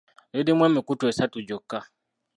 Lirimu emikutu esatu gyokka.